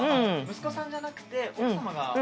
息子さんじゃなくて奥様が。